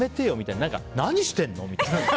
なにしてんの？みたいな。